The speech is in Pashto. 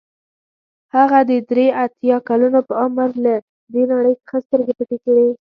هغه د درې اتیا کلونو په عمر له دې نړۍ څخه سترګې پټې کړې.